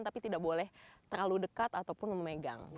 tapi tidak boleh terlalu dekat ataupun memegang